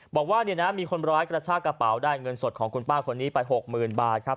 บอกว่าเนี่ยนะมีคนร้ายกระชากระเป๋าได้เงินสดของคุณป้าคนนี้ไป๖๐๐๐บาทครับ